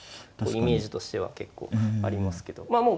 イメージとしては結構ありますけど。